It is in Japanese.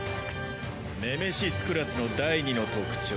ネメシスクラスの第二の特徴